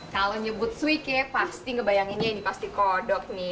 kalau nyebut suike pasti ngebayanginnya ini pasti kodok nih